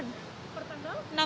kalau tadi mbak